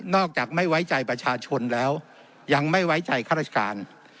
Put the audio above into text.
จากไม่ไว้ใจประชาชนแล้วยังไม่ไว้ใจข้าราชการ